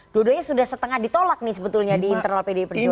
dua duanya sudah setengah ditolak nih sebetulnya di internal pdi perjuangan